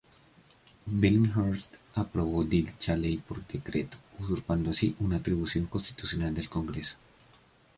Billinghurst aprobó dicha ley por decreto, usurpando así una atribución constitucional del Congreso.